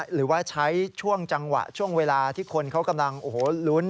หรือว่าใช้ช่วงจังหวะช่วงเวลาที่คนเขากำลังโอ้โหลุ้น